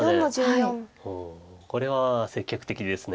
これは積極的です。